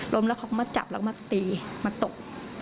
แล้วเขาก็มาจับแล้วมาตีมาตบ